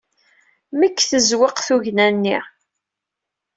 Meg tzewweq tugna-nni.